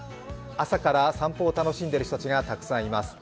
朝から散歩を楽しんでいる人たちがたくさんいます。